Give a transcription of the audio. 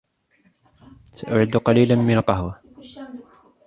سأعد قليلًا من القهوة